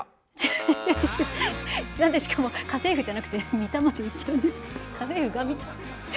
何でしかも「家政婦」じゃなくて「ミタ」まで言っちゃうんですか。